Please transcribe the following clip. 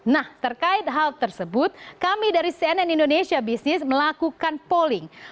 nah terkait hal tersebut kami dari cnn indonesia business melakukan polling